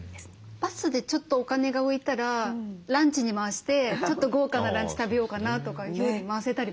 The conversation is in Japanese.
バスでちょっとお金が浮いたらランチに回してちょっと豪華なランチ食べようかなとか費用に回せたりもねしますよね。